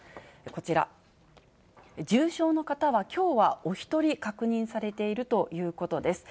こちら、重症の方はきょうはお１人確認されているということです。